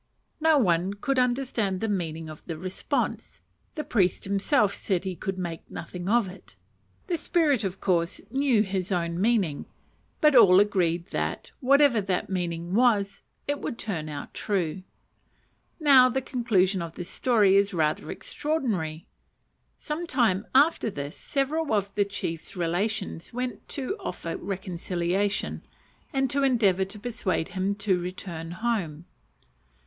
No one could understand the meaning of the response: the priest himself said he could make nothing of it. The spirit of course knew his own meaning; but all agreed that, whatever that meaning was, it would turn out true. Now the conclusion of this story is rather extraordinary. Some time after this, several of the chief's relations went to offer reconciliation and to endeavour to persuade him to return home.